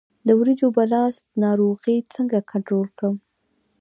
د وریجو بلاست ناروغي څنګه کنټرول کړم؟